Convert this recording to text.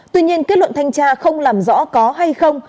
tuy nhiên kết luận thanh tra không làm rõ có hay không